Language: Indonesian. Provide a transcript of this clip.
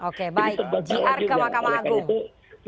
oke baik gr ke mahkamah agung